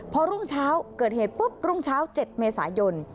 พอรุ่งเช้าเกิดเหตุปุ๊บรุ่งเช้า๗เมษายน